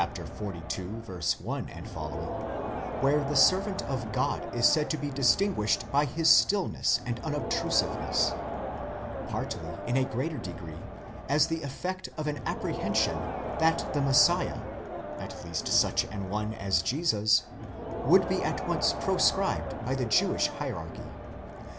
1 Ὁ) where the servant of God is said to be distin guished by his stillness and unobtrusiveness: partly, and in a greater degree, as the effect of an apprehension that the Messiah, at least such an one as Jesus, would be at once proscribed by the Jewish hierarchy.